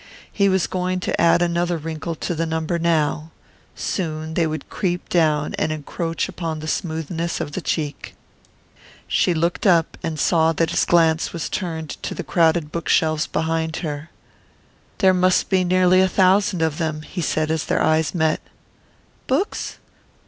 He was going to add another wrinkle to the number now soon they would creep down and encroach upon the smoothness of the cheek. She looked up and saw that his glance was turned to the crowded bookshelves behind her. "There must be nearly a thousand of them," he said as their eyes met. "Books?